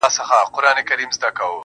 o لوبي وې.